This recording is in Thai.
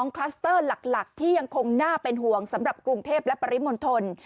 คลัสเตอร์หลักที่ยังคงน่าเป็นห่วงสำหรับกรุงเทพและปริมณฑล